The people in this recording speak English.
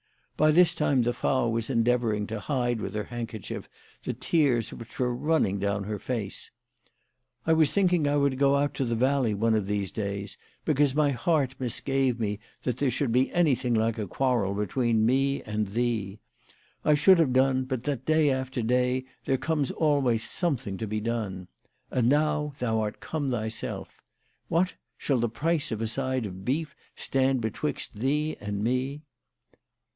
By this time the Frau was endeavouring to hide with her hand kerchief the tears which were running down her face. " I was thinking I would go out to the valley one of these days, because my heart misgave me that there should be anything like a quarrel between me and thee. I should have gone, but that, day after day, there comes always something to be done. And now thou art come thyself. What, shall the price of a side of beef stand betwixt thee and me